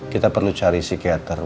kita perlu cari psikiater